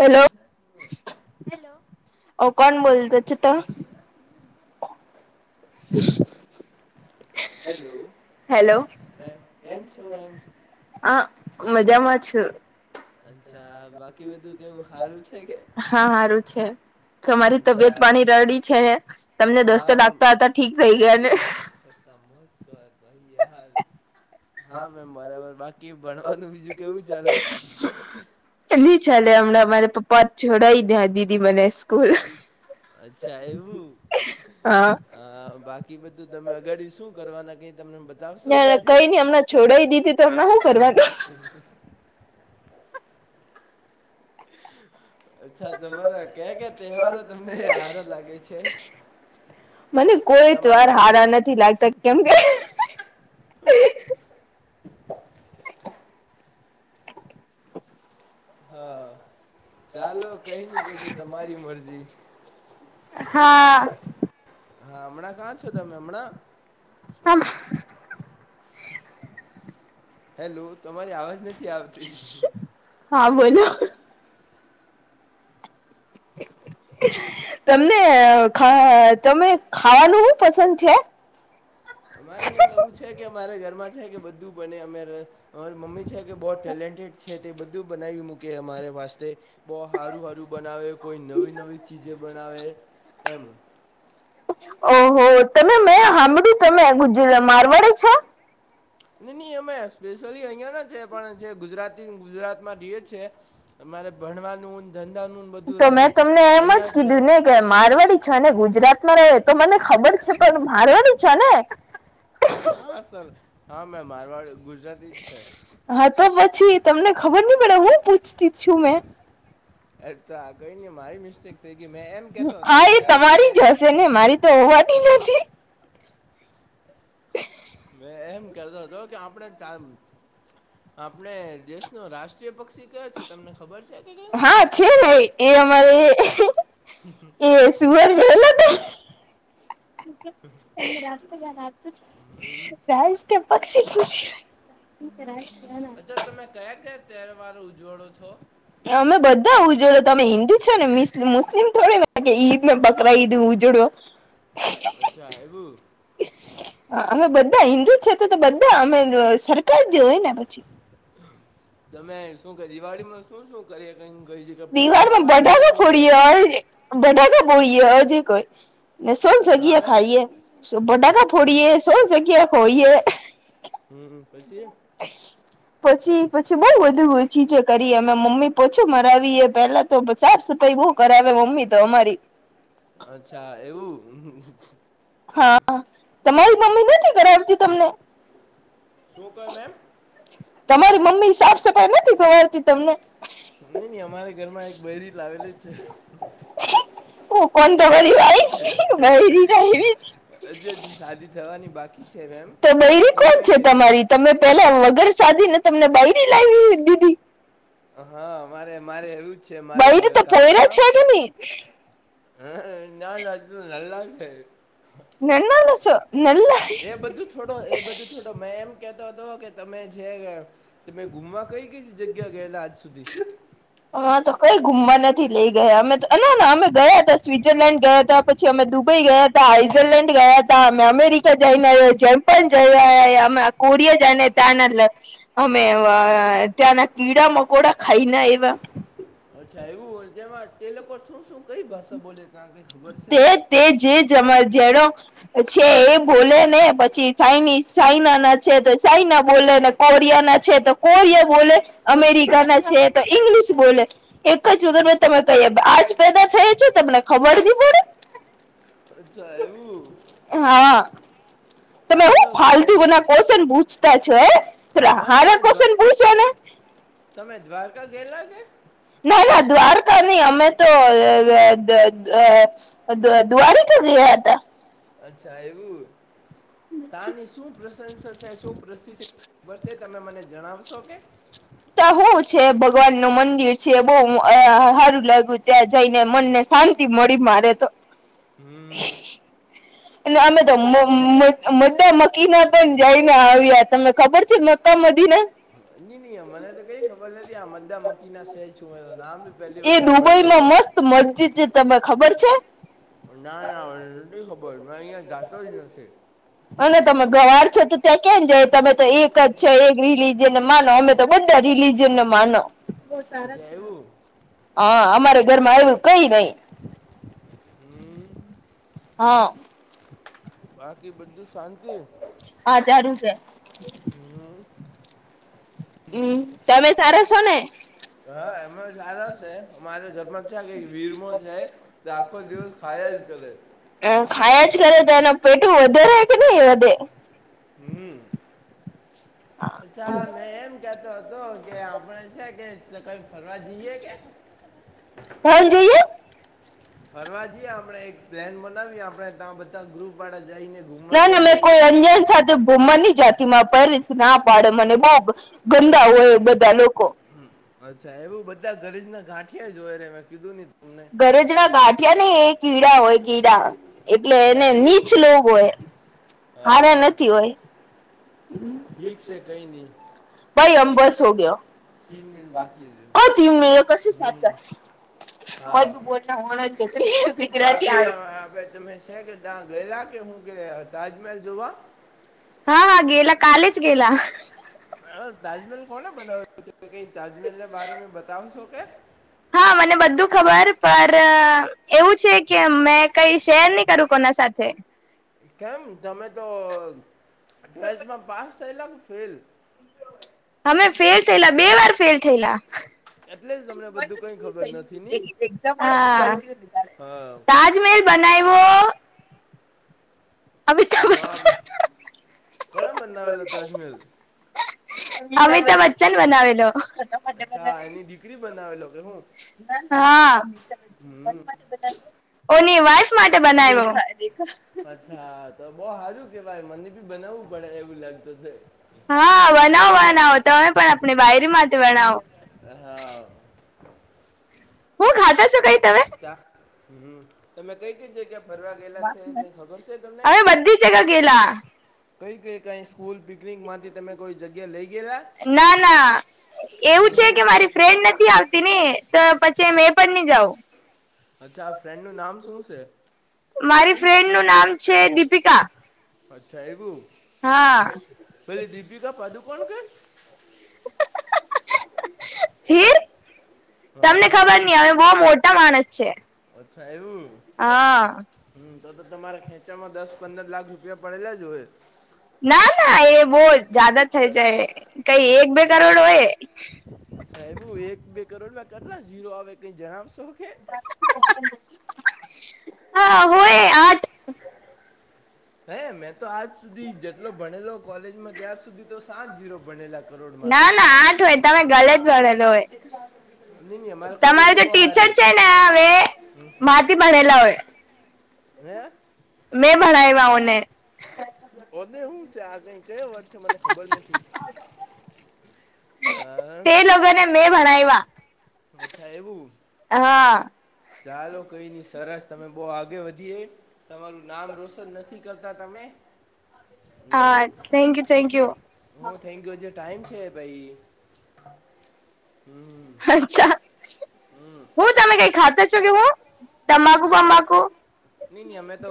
Hello ઓ કોણ બોલતા પછે તો [inaudible] હેલો હેલો મેમ કેમ છો મેમ [inaudible] હા મજામાં છો અચ્છા બાકી બધું કેવું? સારું છે કે હા સારું છે. તમારી તબિયત અચ્છા પાણી રેડી છે ને તમને દોસ્તો લાગતા હતા ઠીક થઈ ગયા ને તમ ક પહી હાલ હા મેમ બરાબર બાકી ભણવાનું બીજું કેવું ચાલે નહિ ચાલે હમણાં મારે પપ્પા છોડાઈ દયા દીદી મને સ્કૂલ અચ્છા એવું હા અ બાકી બધું તમે અગાડી શું કરવાના કઈ તમને બતાવશો કે ના આજે કઈ [inaudible] નઈ હમણાં છોડાઈ દીધી તો હમણાં શું કરવાનું હ [inaudible] અચ્છા તમારાં કયાં કયાં તહેવારો તમને સારાં લાગે છે. મને કોઈ તમારા તહેવારવાર ફે સારાં નથી લાગતાં કેમ કે હા ચાલો કઈ નહીં પછી તમારી મરજી હા હા હમણાં કયાં છો તમે હમણાં હમ. હેલો તમારી આવાજ નથી આવતી હા બોલો તમને તમે ખાવાનું શું પસંદ છે.? અમારે મેમ એવું છે કે અમારે ઘરમાં છે કે બધું બને અમે અમારી મમ્મી છે. બઉ ટેલેન્ટેડ છે તે બધું બનાવી મૂકે અમારે વાસ્તે બો સારું સારું બનાવે કોઈ નવી નવી ચીજો બનાવે એમ ઓહો તમે મેં હામળું તમે મારવાડી છો? નહી અમે સ્પેશિયલી અહિયાં ના છે પણ જે ગુજરાતી ગુજરાત માં રી એ છે. અમારે ભણવાનું ધંધાનું બધું તો મેં રાજસ્થાન તમને એમ અહીંયા જ છે કીધું ને મારવાડી છો ને ગુજરાત માં રહે તો મને ખબર છે પણ મારવાડી છો ને? હા સર હા મેં મારવાડી ગુજરાતી જ છે. હા તો પછી તમને ખબર નહી પડે હું પૂછતી છું મેં અચ્છા કઈ નને મારી મિસ્ટેક થઈ ગઈ મેં એમ કેતો હતો હા એ મેં એમ કે તમારી જ ને મારી તો હોવાતી નથી. [unintelligible] મે એમ કેતો હતો કે આપણે ચામ આપણા દેશનું રાષ્ટ્રીય પક્ષી કયો છે તમને ખબર છે કે કેમ હા છે ભાઈ એ અમારે એ સુવર બોલો તો. [inaudible] જાયને હમ. પજ્ક્ષી પુછયા. ક [unintelligible] ના અચ્છા તમે કયાં કયાં તહેવારો ઉજવો છો.? અમે બધા ઉજવ્યે તમે હિન્દુ છો ને મુસ્લિમ થોડે કે ઈદ ને બકરાં ઈદ ઉજવો અચ્છા એવું. અમે બધા હિન્દુ છે તો તો બધા અમે સરકાર જે હોય ને પછી. તમે શું દિવાળીમાં શું શું કરી કઈ કઈ જ દિવાળમાં ફટાકા ફોડીએ હોય ફટાકા ફોડીએ હોય જે કાય ને સોન હા સગિયા મેમ ખાઈએ બટાકાા તમે ફોડીએ સો સગિયા ખોઈએ. હમ હમ પછી. પછી પછી બઉ બધું ચીજો કરીએ અમે મમ્મી પોછું મરાવીએ પેલા તો પછી સાફસફાઈ બો કરાવે મમ્મી તો અમારી. અચ્છા એવું. હા તમારી મમ્મી નથી કરાવતી તમને? શું કવો મેમ? તમારી મમ્મી સાફ સફાઈ નથી કરાવતી તમને? ની ની અમારે ઘરમાં એક બયરી લાવેલી જ છે. હું કોણ તો કરી છે વાલીઈરીવી બહેરી નહીં. હજી હજી શાદી થવાની બાકી છે એમ તો બૈરી બાકી કોણ કંઈ છે નથી. તમારી તમે પેલા વગર શાદીના તમને બાઈડી [inaudible] દીદી. હા મારે મારે એવુંજ છે મારે બૈરી તો પોયરા કાસ્ટમાં છે કે નહીં અ ના ના તુ નલા છે. નલ્લાલુ છો નલ્લા. એ બધું છોડો એ બધું છોડ તો મેં એમ કહેતો હતો કે તમે જે તમે ગુમવા કઈ કઈ જગ્યા ગયેલા આજ સુધી. [unintelligible] હ તો કઈ ગુમવા નથી લઇ ગયા અમે ના-ના અમે ગયા હતા સ્વિઝરલેન્ડ ગયા હતા. પછી અમે દુબઈ ગયા હતા, આઈઝરલેન્ડ ગયા હતા, અમે અમેરિકા જઈને આવ્યા, જેમપાન જઈ આવ્યા અમે. કુડીયા જાને તાના અમે એવા. ત્યાંના કીડા મકોડા ખાઈને એવા. અચ્છા એવું તેમાં તે લોકો શું શું કઈ ભાષા બોલે ત્યા કઈ ખબર છે કે. જમાર જેડો. છે એ બોલે ને પછી સાઈનીઝ ચાઈના ના છે તો ચાઇના બોલે ને. કોરિયા ના છે તો કોરિયા બોલે, અમેરિકા ના છે તો ઇંગ્લિશ બોલે. એક જ વગર મેં તમે કહી આજ પેદા થયા છે તમને ખબર નહી પડે. અચ્છા એવું હા ચાલો કઈ નઈ. કોશન પૂછતા છો એ. મેમ તમે દ્વા તમે દ્વારકા ગયેલા કે. ના ના દ્વારકા નહી અમે તો એ. [unintelligible] દ્વા-દ્વારિકા ગયા હતા. અચ્છા એવું તાની શૂ પ્રશંસા છે શુ પ્રસીસ તમે મને જણાવશો કે. તા હુ છે ભગવાન નું મંદિર છે બહુ હારું લાગ્યું ત્યાં જઈને મનને. શાંતિ મળી મારે તો. હમ્મ. [inaudible] અમે તો મો-મો-મોદ્દા મકીના પણ જઈને આવ્યા તમને ખબર છે મક્કા મદીના. નીની મને તો કઈ ખબર નથી આ મદ્દા મકી ના સેજ સુ નામ બી પહેલી એ વાર હામભળેલો. દુબઈમાં મસ્ત મસ્જિદ છે તને ખબર છે. ના ના મને નથી ખબર મે અહીંયા જાતોજ નથી. અને તમે ગવાર છો તો ત્યાં કેમ જાય. તમે તો એક જ છે એક રિલી જેને માનો અમેતો બધ્ધા રિલીઝન ને માનો. અચ્છા એવું હા અમારે ઘરમાં આવુ કઈ નઈ. હમ હા. બાકી બધું શાંતિ. હા સારું છે. હમ્મ. હમ્મ તમે સારા છો ને. હા એમે સારા છે. મારે ઘરમાં ચ્યાં કઈ વીરમો છે. તે આખો દિવસ ખાયા જ કરે. હમ્મ ખાયા જ કરે તો એના પેટું વધારે કે નહી વધે. હમ્મ અચ્છા મે એમ કેતો હતો કે આપણે છે કે કઈ ફરવા જઈએ કે. હા જીએ. ફરવા જઈએ આપણે એક પ્લેન બનાવીએ આપણે ત્યાં બધા ગ્રુપ વાળા જઈને. ઘૂમવા ના ના મેં જઈએ કોઈ અંજાન સાથે ભુમ્મા ની જાતિ માં પેરેન્ટ્સ ના પાડેને મને બઉ ગંદા હોય બધા લોકો. હમ્મ અચ્છા એવું બધા ઘરેજ ના ગાંઠિયા જો હોય રે મેં કીધું ન. ઘરજના ગાંઠિયા ને એ કીડા હોય કીડા. એટલે એને અચ્છા નીચ એવું લોગ હોય હારા હા નથી હોય. ઠીક છે કઈ નઈ. ભાઈ અમ બસ હો ગયો તીન મિનિટ બાકી હજુ અ ત મેળ્યો કશ સા. હમ, કો બ હા બોટ ના હોણ જ છેત દીકરા. હા ભાઈ તમે છે કે ત્યાં ગયેલા કે હું કે તાજમહેલ જોવા. હા હા ગેલા કાલે જ ગેલા. હ તાજમહેલ કોને બનાવેલો છે કઈ તાજમહેલ ના બારે મે બતાવશો કે. હા મને બધું ખબર પર એવું છે કે મેં કઈ શેર નહી કરું કોના સાથે. કેમ તમે તો ટ્વેલ્થમાં પાસ થયેલા ફેલ. અમે ફેલ થયેલા બે વાર ફેલ થયેલા. એટલે જ તમને બધું કંઈ ખબર નથી ની હા [unintelligible] તજમેહેલ બનાવ્યો અમિતાભ મા બચ્ચન કોને બના અમિતાભ બચ્ચન બનાવેલો. અચ્છા એની દીકરી બનાવેલો કે હું. હા. ઓની વાઈફ માટે બનાવ્યો. અચ્છા તો બઉ હારું કેવાય મને બી બનાવવું પડે એવું લાગતું છે. હા વનાવો વનાવો તમે પણ આપણી બાયરીમાંથી વનાવો. હા. હું ખાતા છો કઈ તમે. ક્યાં હમ્મ તમે કે કે જગ્યા ફરવા ગયેલા છે કઈ ખબર છે તમને? અમે બધી જગા ગેલા કઈ કઈ કઈ સ્કૂલ પિકનિક માંથી તમે કોઈ જગ્યા લઈ ગયેલા. ના ના એવું છે હમ કે મારી ફ્રેન્ડ નથી આવતી ને તો પછી મે પણ ની જાઉં. અચ્છા આ ફ્રેન્ડ નું નામ શું છે? મારી ફ્રેન્ડ નું નામ છે દીપિકા. અચ્છા એવું. હા. પેલી દીપિકા પાદુકોણ કે હીર તમને હા ખબર ન હવે બહુ મોટા માણસ છે. અચ્છા એવું. હા હમ તો તો. તમારા ખેંચામાં દસ પંદર લાખ રૂપિયા પડેલા જ હોએ. ના ના એ બહ જ જાદા થઈ જાય કઈ એક બે કરોડ હોય. અચ્છા એવું એક બે કરોડ ના કતરા જીરો આવે કઈ જણાવશો કે. હા હોય આઠ. હે મેં તો આજ સુધી જેટલો ભણેલો કોલેજમાં ત્યાર સુધી તો સાત જીરો ભણેલા. કરોડમાં તો ના ના આઠ હોય તમે ગલત ભણેલો હોય. નહીં નહીં અમારે કોલેજ તમારે તો બહુ ટીચર સારી છે ને હવે માથી ભણેલા હોય. હૈ. મેં ભણાવ્યા ઓને. ઓને હું સ આ કંઈ. કયો વર્ડ છે મને ખબર નથી. હા. તે લોકોને મેં ભણાવ્યા. અચ્છા એવું. હા. ચાલો કઈ નઈ સરસ તમે બહુ આગે વધીએ. તમારું નામ રોશન નથી કરતા તમે. હા થેન્ક યુ થેન્ક યુ. હું થેન્કયુ જે ટાઈમ છે ભાઈ હમ. અચ્છા હું તમે કઈ ખાતા છો હું. તમાકુ ગમે બમાકુ નહી નહી અમે તો.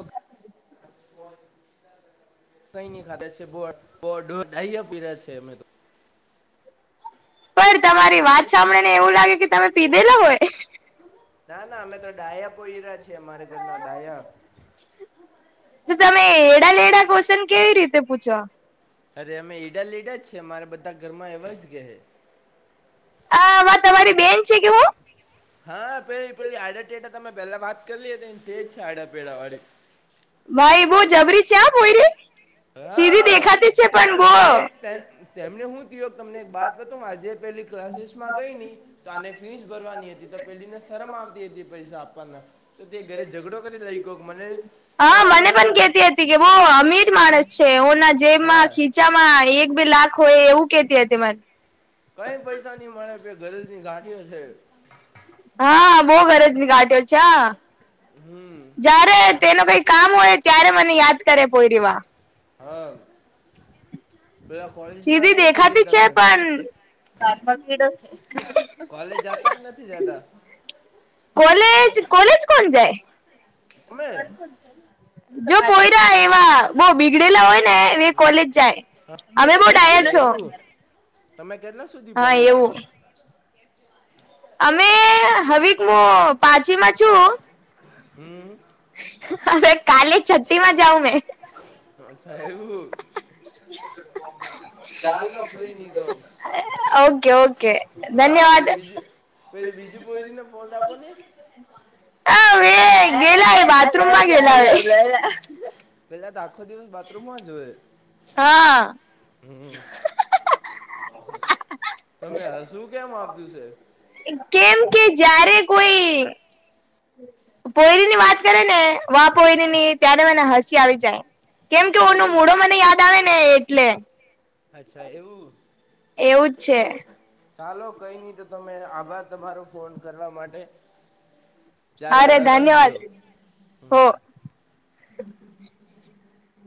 કઈ ખાતે છે બ બઢ ડાહયા પીરા છે અમે તો. પણ તમારી વાત સાંભળીને એવું લાગે કે તમે પીધેલા હોય. ના ના અમે તો ડાયા પોયરા છે. અમારા ઘરના ડાયા. તો તમે એડા લેડા કોશન કેવી રીતે પૂછો. અરે અમે ઈડા લઈડા જ છે અમારે બધા ઘરમાં એવા જ કે. આ આવા તમારી બેન છે કે હું. હા પેલા પેલી આડા ટેડા તમે પેલા વાત કરી લ તો એ તેજ છે આડાપેડા વાળી. ભાઈ બો જબરી છે આ પોયરી સીધી હા દેખાતી છે તે- પણ બો. તને તેમને હું થયો તમને એક બાત હત આજે પહેલી ક્લાસીસમાં ગઈ નહી. તો આને ફીસ ભરવાની હતી તો પેલીને શરમ આવતી હતી પૈસા આપવાના તે ઘરે ઝઘડો કરી લઈ કોક મને ત્રણ હજાર રૂપિયા એ બહુ અમીર માણસ છે એના હે જેબમાં ખીચામાં એક બે લાખ હોય એવું કેતી હતી. તેમાં કઈ પૈસા નઈ મળે પે ગરેજની ગાંઠઈઓ છે. હા ભહું ગરજની ગાટલ છે આ હમ્મ. જયારે તેનું કઈ કામ હોય ત્યારે મને યાદ કરે કોઈ દી વાર હા. બધા કોલે સીધી દેખાતી છે પણ પંખીડો કોલેજ જાતા કે નથી જાતા. કોલેજ કોલેજ કોણ જાય. તમે જો કોયરા એવા બઉ બીગડેલા હોય ને કોલેજ જાય અમે બહું ડાયા અચ્છા છો. એવું તમે કેટલા સુધી હા ભણેલા એવું અમે હવે હું પાચીમાં છું. હમ્મ. હવે કાલે છઠી માં જાઉ મેં. અચ્છા એવું. ચાલો કઈ નહીં તો [inaudible] ઓકે ઓકે હા ધન્યવાદ પેલી બીજી પેલી બીજું પોરીને ફોન આપો ને. આ હવે ગેલા હે બાથરૂમમાં ગેલા હે પેલા તો આખો દિવસ બાથરૂમમાં જ હોએ. હા. તમે હશું કેમ આવતું છે. કેમ કે જ્યારે કોઈ પોયરી ની વાત કરે ને વા પોયરી ની ત્યારે મને હસી આવી જાય. કેમ કે અચ્છા ઓનુ એવું મૂળો મને યાદ આવે ને એટલે. અચ્છા એવું. એવું જ છે. ચાલો કઈ નહી તો તમે આભાર તમારો ફોન કરવા માટે ચાલો અરે રાખી ધન્યવાદ દિયો હમ્મ. હો